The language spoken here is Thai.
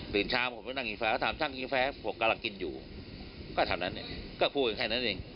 ตื่นเช้าผมไปนั่งกินแฟ